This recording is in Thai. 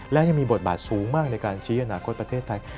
และยังมีบทบาทสูงมากในการชี้อนาคตประเทศไทย